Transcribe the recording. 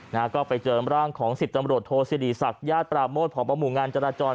นะฮะก็ไปเจอร่างของสิบตำรวจโทสิริศักดิ์ญาติปราโมทพบหมู่งานจราจร